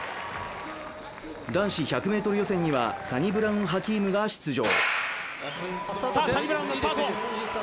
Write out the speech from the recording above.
男子１００ｍ予選には、サニブラウン・ハキームが出場。